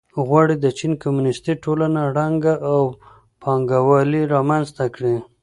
غواړي د چین کمونېستي ټولنه ړنګه او پانګوالي رامنځته کړي.